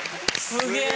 すげえ。